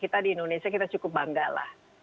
kita di indonesia kita cukup bangga lah